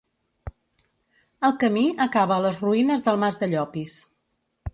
El camí acaba a les ruïnes del mas de Llopis.